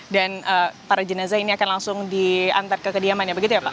dan para jenazah ini akan langsung diantar ke kediaman ya begitu ya pak